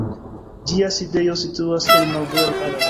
Ĝia sidejo situas en Novjorko.